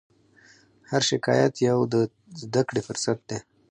هر شکایت یو د زدهکړې فرصت دی.